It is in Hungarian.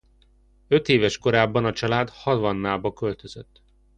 Ötéves korában a család Havannába költözött.